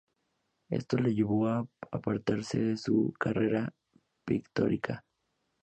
Esto le llevó a apartarse de su carrera pictórica.